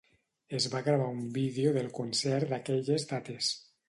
Es va gravar un vídeo del concert d'aquelles dates.